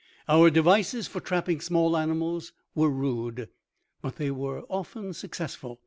Our devices for trapping small animals were rude, but they were often successful.